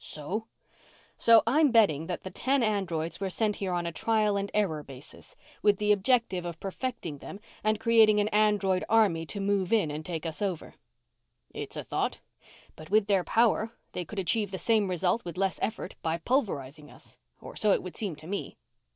"So ...?" "So I'm betting that the ten androids were sent here on a trial and error basis, with the objective of perfecting them and creating an android army to move in and take us over." "It's a thought, but with their power they could achieve the same result with less effort by pulverizing us. Or so it would seem to me."